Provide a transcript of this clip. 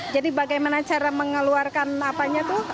jadi bagaimana cara mengeluarkan apanya itu